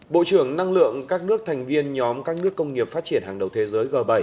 bộ trưởng năng lượng các nước thành viên nhóm các nước công nghiệp phát triển hàng đầu thế giới g bảy